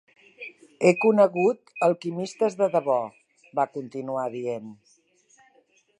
"He conegut alquimistes de debò", va continuar dient.